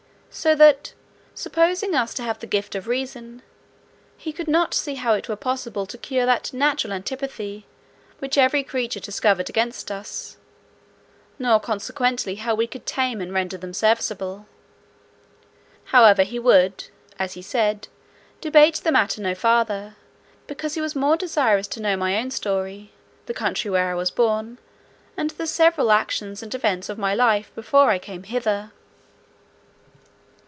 So that, supposing us to have the gift of reason, he could not see how it were possible to cure that natural antipathy, which every creature discovered against us; nor consequently how we could tame and render them serviceable. However, he would," as he said, "debate the matter no farther, because he was more desirous to know my own story, the country where I was born, and the several actions and events of my life, before I came hither."